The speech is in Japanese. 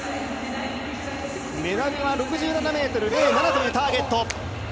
メダルは６７ｍ０７というターゲット。